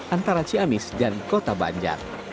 antara cianis dan tasik malaya